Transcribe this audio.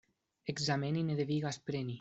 Ekzameni ne devigas preni.